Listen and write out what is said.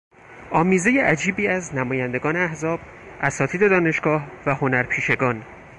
آمیزهی عجیبی از نمایندگان احزاب، اساتید دانشگاه و هنرپیشگان